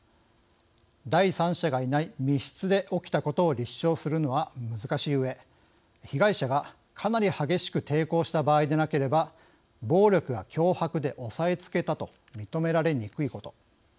第三者がいない密室で起きたことを立証するのは難しいうえ被害者がかなり激しく抵抗した場合でなければ暴力や脅迫で押さえつけたと認められにくいこと。